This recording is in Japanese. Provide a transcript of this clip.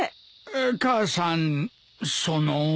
母さんその。